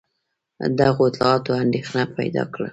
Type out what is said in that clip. دغو اطلاعاتو اندېښنه پیدا کړه.